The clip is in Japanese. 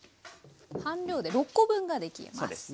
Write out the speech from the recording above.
半量で６コ分ができます。